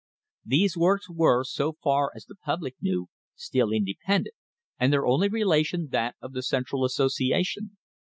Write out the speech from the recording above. These works were, so far as the public knew, still independent and their only relation that of the "Central Association."